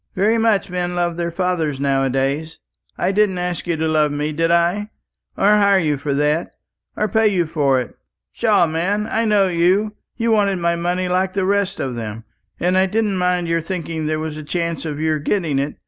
"Very much men love their fathers now a days! I didn't ask you to love me, did I? or hire you for that, or pay you for it? Pshaw, man, I know you. You wanted my money like the rest of them, and I didn't mind your thinking there was a chance of your getting it.